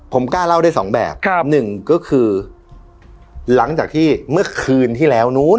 ผมกล้าเล่าได้สองแบบครับหนึ่งก็คือหลังจากที่เมื่อคืนที่แล้วนู้น